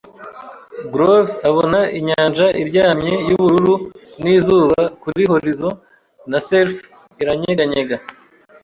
grove, abona inyanja iryamye yubururu nizuba kuri horizon na serf iranyeganyega